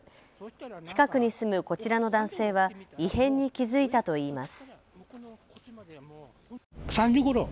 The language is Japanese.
近くに住むこちらの男性は異変に気付いたといいます。